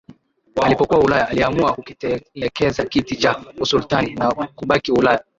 Alipokuwa Ulaya aliamua kukitelekeza kiti cha usultan na kubaki Ulaya